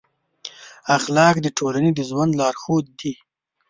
اخلاق د ټولنې د ژوند لارښود دي.